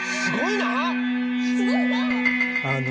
すごいなあ！